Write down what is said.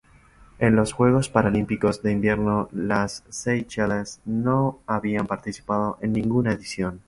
En los Juegos Paralímpicos de Invierno las Seychelles no han participado en ninguna edición.